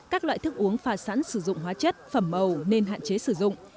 các loại thức uống phà sẵn sử dụng hóa chất phẩm màu nên hạn chế sử dụng